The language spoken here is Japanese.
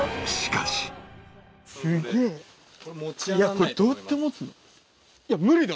これどうやって持つの？